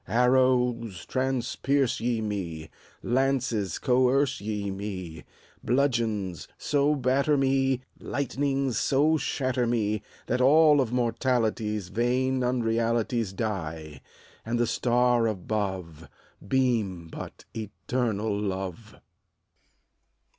Arrows, transpierce ye me, Lances, coerce ye me, Bludgeons, so batter me, Lightnings, so shatter me, That all of mortality's Vain unrealities Die, and the Star above Beam but Eternal Love